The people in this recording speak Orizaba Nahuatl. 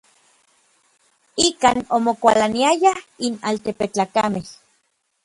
Ikan omokualaniayaj n altepetlakamej.